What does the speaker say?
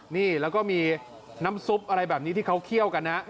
นี่แล้วก็มีน้ำซุปอะไรแบบนี้ที่เขาเคี่ยวกันนะ